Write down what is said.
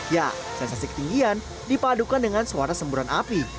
ya sensasi ketinggian dipadukan dengan suara semburan api